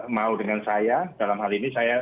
mau dengan saya dalam hal ini saya